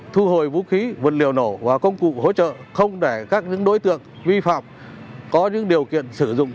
thu hồi vũ khí vận liều nổ và công cụ hỗ trợ không để các đối tượng vi phạm có những điều kiện sử dụng